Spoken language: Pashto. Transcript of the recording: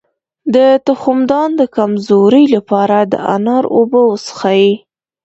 د تخمدان د کمزوری لپاره د انار اوبه وڅښئ